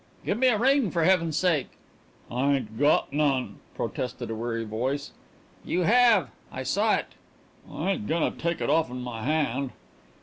"Gimme a ring, for Heaven's sake!" "I ain't got none," protested a weary voice. "You have. I saw it." "I ain't goin' to take it offen my hand."